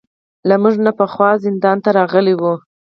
له موږ نه پخوا زندان ته راغلي وو.